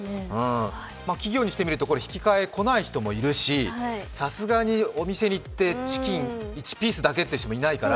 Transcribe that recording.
企業にしてみると、これ、引き換えに来ない人もいるしさすがにお店に行ってチキン１ピースだけって人もいないから。